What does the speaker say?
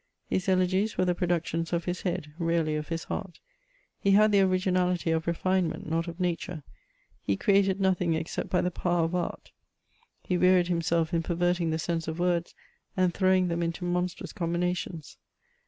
His elegies were the productions of his head, rarely of his heart ; he had the originality of refinement, not of nature ; he created nothing except by the power of art ; he wearied himself in perverting the sense of words, and throwing them into monstrous combinations.